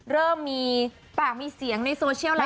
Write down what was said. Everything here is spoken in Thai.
เริ่มมีปากมีเสียงในโซเชียลแล้ว